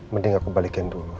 mending aku balikin dulu